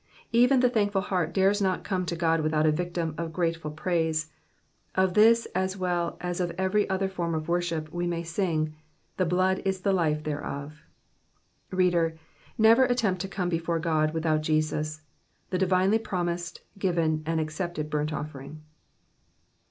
Even the thankful heart dares not come to God without a victim of grateful praise ; of this as well as of every other form of worship, we may aay, *' the blood is the life thereof.'' Reader, never attempt to come before God without Jesus, the divinely promised, given, and accepted burnt offering.